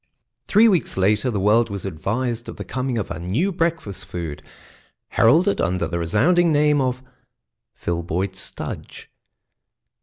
Three weeks later the world was advised of the coming of a new breakfast food, heralded under the resounding name of "Filboid Studge."